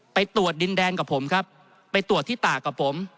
ไปตรวจดินแดนกับผมครับไปตรวจที่ตากกับผม